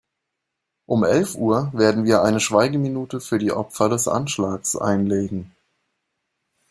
Um elf Uhr werden wir eine Schweigeminute für die Opfer des Anschlags einlegen.